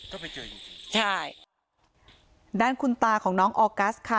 ก็ไปเจอจริงใช่ด้านคุณตาของน้องออกัสค่ะ